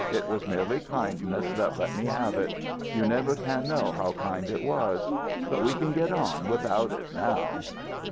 It was merely kindness that let me have it. You never can know how kind it was. But we can get on without it now."